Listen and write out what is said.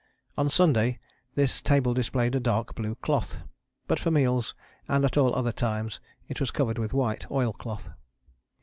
On Sunday, this table displayed a dark blue cloth, but for meals and at all other times it was covered with white oilcloth.